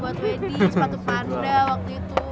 buat wedding sepatu panda waktu itu